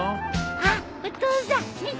あっお父さん見て！